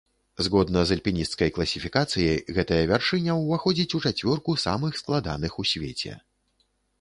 Згодна з альпінісцкай класіфікацыяй, гэтая вяршыня ўваходзіць у чацвёрку самых складаных у свеце.